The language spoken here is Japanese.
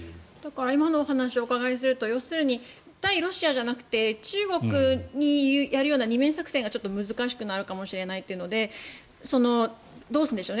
今のお話をお伺いすると対ロシアじゃなくて中国にやるような二面作戦が難しくなるかもしれないということでどうするんでしょうね。